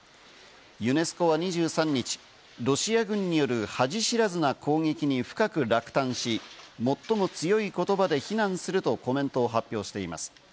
ユネスコは２３日、ロシア軍による恥知らずな攻撃に深く落胆し、最も強い言葉で非難するとコメントを発表しています。